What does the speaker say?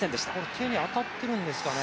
手に当たってるんですかね。